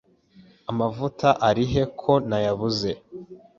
Amavuta ari he ko nayabuze?